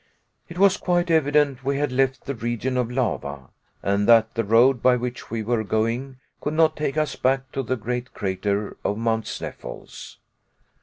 It was quite evident we had left the region of lava, and that the road by which we were going could not take us back to the great crater of Mount Sneffels.